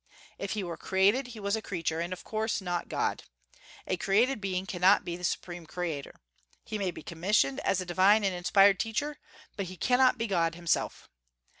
If he were created, he was a creature, and, of course, not God. A created being cannot be the Supreme Creator. He may be commissioned as a divine and inspired teacher, but he cannot be God himself.